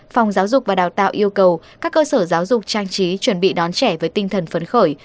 phòng giáo dục và đào tạo yêu cầu các cơ sở giáo dục trang trí chuẩn bị đón trẻ với tinh thần phấn khởi